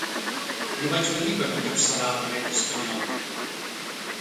No vaig venir per encapçalar la dreta espanyola.